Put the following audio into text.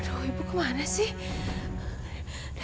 aduh ibu kemana sih